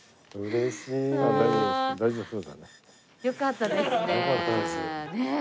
よかったですね。